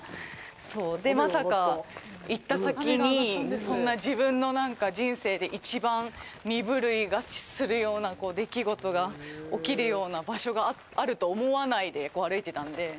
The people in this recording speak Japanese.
そう、で、まさか行った先にそんな自分の人生で一番身震いがするような出来事が起きるような場所があると思わないで歩いてたんで。